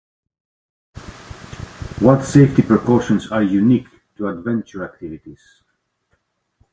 What safety precautions are unique to adventure activities?